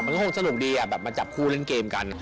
มันก็คงจะสนุกดีอะแบบมาจับคู่เล่นเกมกัน